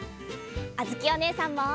あづきおねえさんも。